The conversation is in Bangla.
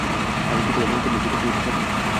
আমি কি তোমাদের মতো লিখিতে পড়িতে জানি।